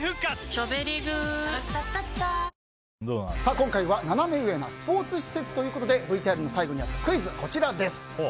今回はナナメ上なスポーツ施設ということでＶＴＲの最後にあったクイズです。